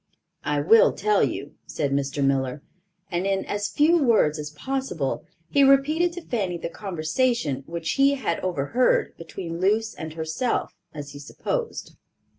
"I will tell you," said Mr. Miller; and, in as few words as possible he repeated to Fanny the conversation which he had overheard, between Luce and herself, as he supposed.